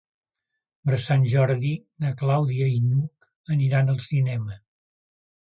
Per Sant Jordi na Clàudia i n'Hug aniran al cinema.